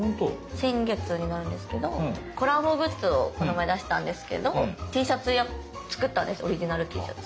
先月になるんですけどコラボグッズをこの前出したんですけどＴシャツ作ったんですオリジナルＴシャツ。